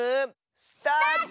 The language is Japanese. スタート！